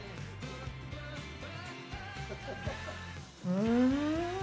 うん！